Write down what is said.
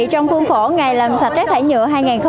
trong khuôn khổ ngày làm sạch rác thải nhựa hai nghìn một mươi chín